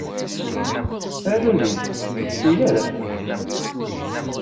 Aru-yi-d, ur tettuy ara!